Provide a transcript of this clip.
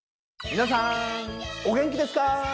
皆さんお元気ですか？